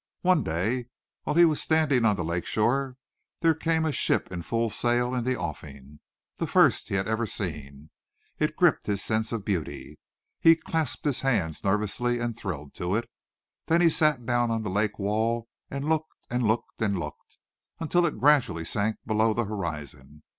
One day, while he was standing on the lake shore, there came a ship in full sail in the offing the first he had ever seen. It gripped his sense of beauty. He clasped his hands nervously and thrilled to it. Then he sat down on the lake wall and looked and looked and looked until it gradually sank below the horizon.